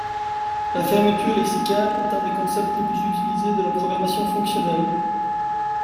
La fermeture lexicale est un des concepts les plus utilisés de la programmation fonctionnelle.